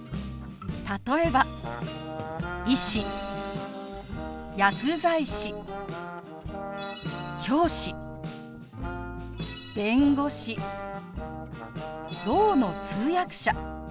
例えば「医師」「薬剤師」「教師」「弁護士」「ろうの通訳者」